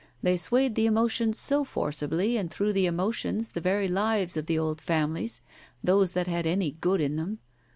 They swayed the emotions so forcibly and through the emotions the very lives of the old families — those that had any good in them.